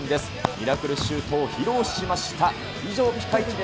ミラクルシュートを披露しました。